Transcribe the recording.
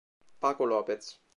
Paco López